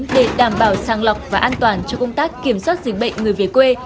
để đảm bảo sàng lọc và an toàn cho công tác kiểm soát dịch bệnh người về quê